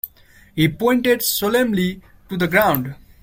He pointed solemnly to the ground.